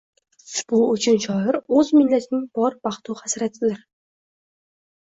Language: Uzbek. Bu uchun shoir o‘z millatining bor baxt-u hasratidir.